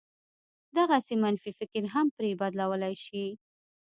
دغسې منفي فکر هم پرې بدلولای شي.